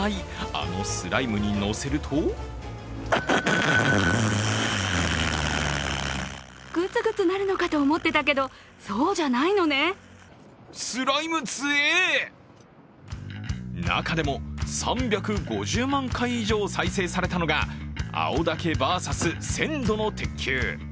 あのスライムに載せると中でも３５０万回上再生されたのが青竹ｖｓ１０００度の鉄球。